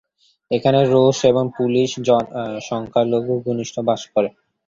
এছাড়া এখানে রুশ ও পোলীয় সংখ্যালঘু গোষ্ঠী বাস করেন।